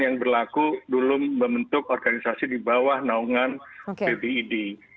yang berlaku dulu membentuk organisasi di bawah naungan pbid